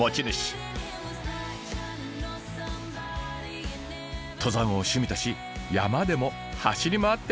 登山を趣味とし山でも走り回ってます。